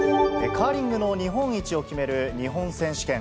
カーリングの日本一を決める日本選手権。